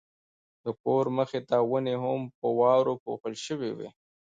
د کور مخې ته ونې هم په واورو پوښل شوې وې.